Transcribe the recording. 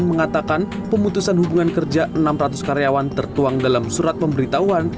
mengatakan pemutusan hubungan kerja enam ratus karyawan tertuang dalam surat pemberitahuan